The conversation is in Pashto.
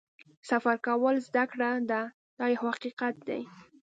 سفر کول زده کړه ده دا یو حقیقت دی.